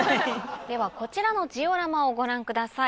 ではこちらのジオラマをご覧ください。